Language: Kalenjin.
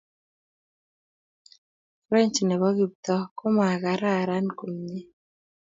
French nebo Kiptoo komakararan komnye